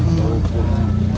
oh gitu ya